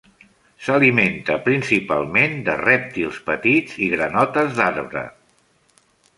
S'alimenta principalment de rèptils petits i granotes d'arbre.